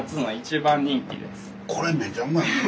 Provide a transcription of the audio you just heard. これめちゃうまいよ。